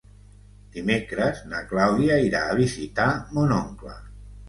Dimecres na Clàudia irà a visitar mon oncle.